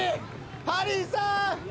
ハリーさん！